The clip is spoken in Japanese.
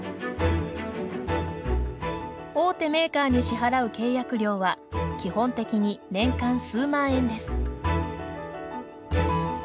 大手メーカーに支払う契約料は基本的に年間数万円です。